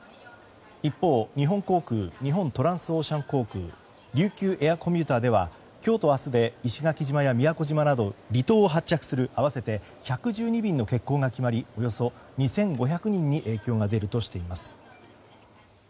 一方、日本航空日本トランスオーシャン航空琉球エアーコミューターでは今日と明日で石垣島や宮古島など離島を発着する合わせて１１２便の欠航が決まりおよそ２５００人に影響が出るとしています。